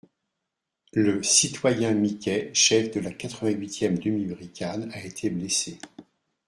Le citoyen Miquet, chef de la quatre-vingt-huitième demi-brigade, a été blessé.